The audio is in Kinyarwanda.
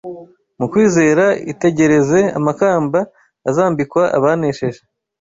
Mu kwizera itegereze amakamba azambikwa abanesheje